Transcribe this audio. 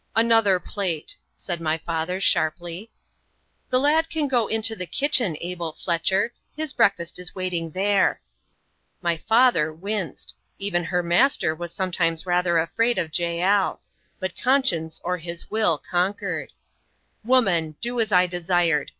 "Another plate," said my father, sharply. "The lad can go into the kitchen, Abel Fletcher: his breakfast is waiting there." My father winced even her master was sometimes rather afraid of Jael. But conscience or his will conquered. "Woman, do as I desired.